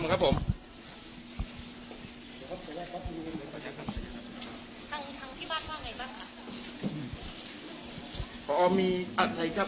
ทั้งที่บ้านว่าไงบ้างครับอ๋อมีอัตราอีกท่าพูดไหมครับผม